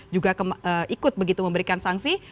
juga ikut begitu memberikan sanksi sanksi ini